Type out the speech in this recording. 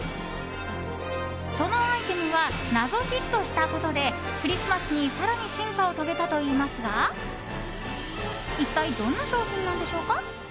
そのアイテムは謎ヒットしたことでクリスマスに更に進化を遂げたといいますが一体どんな商品なんでしょうか。